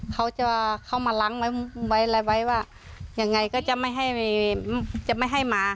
เขาจะเข้ามาล้างไว้อะไรไว้ว่ายังไงก็จะไม่ให้จะไม่ให้มา